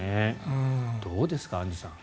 どうですかアンジュさん。